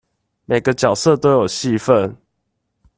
每個角色都有戲份